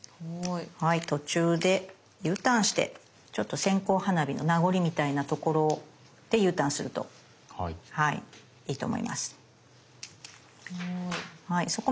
途中でＵターンしてちょっと線香花火の名残みたいなところでＵターンするといいと思います。